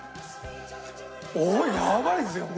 おっやばいですよ！